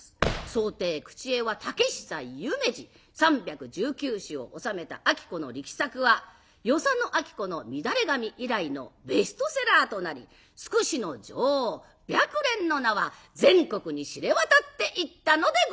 装丁口絵は竹久夢二３１９詩を収めた子の力作は与謝野晶子の「みだれ髪」以来のベストセラーとなり「筑紫の女王白蓮」の名は全国に知れ渡っていったのでございます。